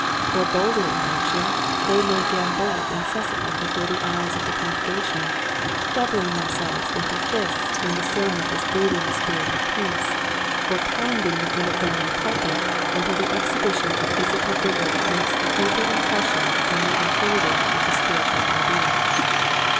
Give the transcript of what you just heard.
Or bolder in action they may gambol inces santly before the eyes of the congregation, doubling themselves into fists when the sermon is breathing the spirit of peace or pounding the unoffending pulpit until the exhibition of physical vigor makes a deeper impression than the unfolding of the spirit ual idea.